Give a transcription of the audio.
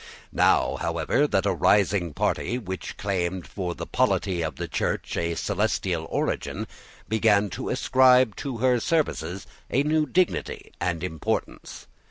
Now, however, that rising party which claimed for the polity of the Church a celestial origin began to ascribe to her services a new dignity and importance.